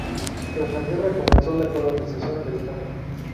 Tras la guerra, comenzó la colonización americana.